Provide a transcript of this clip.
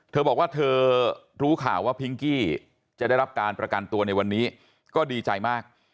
เธอบอกว่าเธอรู้ข่าวว่าพิงกี้จะได้รับการประกันตัวในวันนี้ก็ดีใจมาก